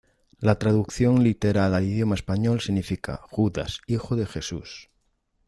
La traducción literal al idioma español significa ""Judas, hijo de Jesús"".